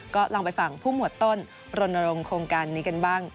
ก็ลองไปฟังผู้หมวดต้นรณรงค์โครงการนี้กันบ้าง